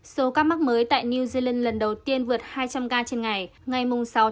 số ca mắc mới tại new zealand lần đầu tiên vượt hai trăm linh ca trên ngày ngày sáu một mươi một